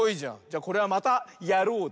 じゃこれは「またやろう！」